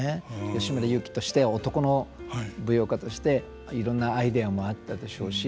吉村雄輝として男の舞踊家としていろんなアイデアもあったでしょうし。